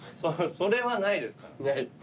それはないですから。